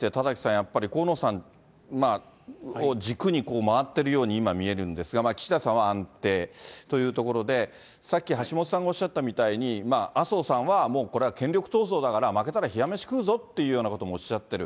やっぱり、河野さん軸に回ってるように今、見えるんですが、岸田さんは安定というところで、さっき橋下さんがおっしゃったみたいに、麻生さんはもうこれは権力闘争だから、負けたら冷や飯食うぞっていうようなこともおっしゃってる。